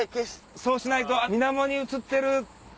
そうしないと水面に映ってる。